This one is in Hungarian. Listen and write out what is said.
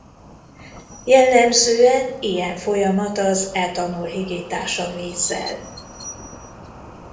Jellemzően ilyen folyamat az etanol hígítása vízzel.